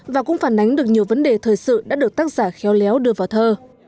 và cũng phản ánh được nhiều vấn đề thời sự đã được tác giả khéo léo đưa vào thơ